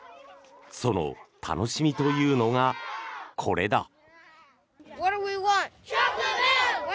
その楽しみというのが、これだ。